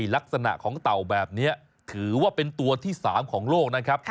ลักษณะของเต่าแบบนี้ถือว่าเป็นตัวที่๓ของโลกนะครับ